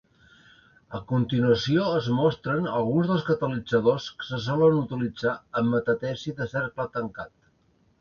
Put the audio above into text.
A continuació es mostren alguns dels catalitzadors que se solen utilitzar en metàtesi de cercle tancat.